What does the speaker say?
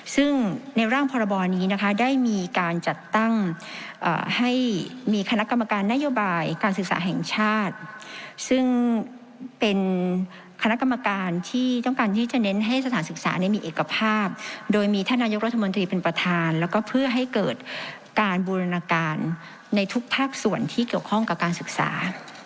ซึ่งในร่างพรบนี้นะคะได้มีการจัดตั้งให้มีคณะกรรมการนโยบายการศึกษาแห่งชาติซึ่งเป็นคณะกรรมการที่ต้องการที่จะเน้นให้สถานศึกษามีเอกภาพโดยมีท่านนายกรัฐมนตรีเป็นประธานแล้วก็เพื่อให้เกิดการบูรณาการในทุกภาคส่วนที่เกี่ยวข้องกับการศึกษา